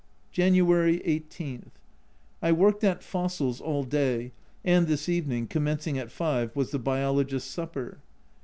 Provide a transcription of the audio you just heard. January 18. I worked at fossils all day, and this evening, commencing at 5, was the Biologists' supper.